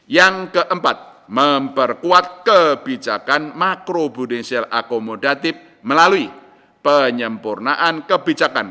yang keempat memperkuat kebijakan makrobudesial akomodatif melalui penyempurnaan kebijakan